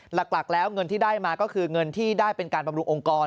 หลักแล้วเงินที่ได้มาก็คือเงินที่ได้เป็นการบำรุงองค์กร